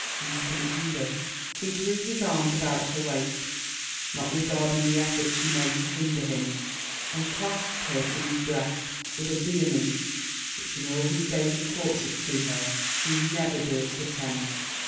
In speaking this, he threw his arms about her waist, not regarding the efforts she made to hinder him, and clasped her to his breast with a vehemence which in all his days of courtship to her he never durst attempt.